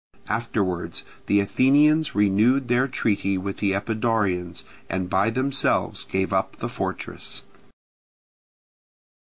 Afterwards the Athenians renewed their treaty with the Epidaurians, and by themselves gave up the fortress.